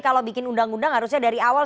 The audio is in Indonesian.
kalau bikin undang undang harusnya dari awal